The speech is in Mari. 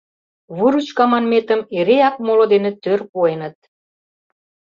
Выручка манметым эреак моло дене тӧр пуэныт.